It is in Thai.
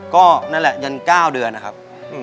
ก็นั่นแหละยัน๙เดือนนะครับ